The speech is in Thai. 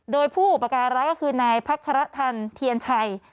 โดยผู้อุปการะก็คือนายพักครทันเทียนชัย